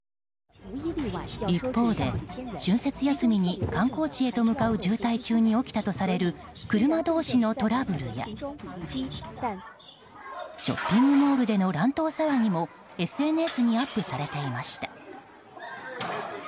一方で春節休みに観光地へ向かう渋滞中に起きたとされる車同士のトラブルやショッピングモールでの乱闘騒ぎもＳＮＳにアップされていました。